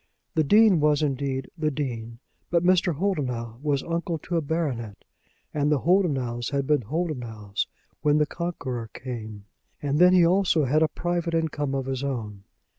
The Dean was, indeed, the Dean; but Mr. Holdenough was uncle to a baronet, and the Holdenoughs had been Holdenoughs when the Conqueror came. And then he also had a private income of his own.